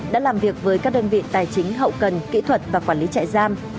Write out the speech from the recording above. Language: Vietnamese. đã làm việc với các đơn vị tài chính hậu cần kỹ thuật và quản lý trại giam